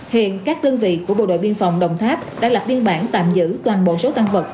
hiện các đơn vị của bộ đội biên phòng đồng tháp đã lập biên bản tạm giữ toàn bộ số tăng vật